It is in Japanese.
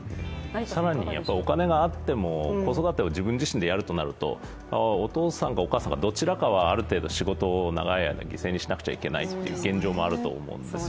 更にお金があっても子育てを自分自身でやるとなるとお父さんかお母さん、どちらかはある程度仕事を長い間犠牲にしなくちゃいけないという現状もあると思うんです。